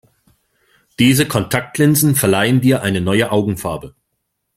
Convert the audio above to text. Diese Kontaktlinsen verleihen dir eine neue Augenfarbe.